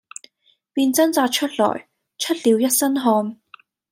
便掙扎出來，出了一身汗。